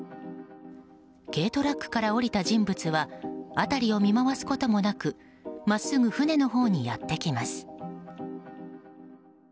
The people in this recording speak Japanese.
軽トラックから降りた人物は辺りを見回すこともなく真っすぐ船のほうにやってきます。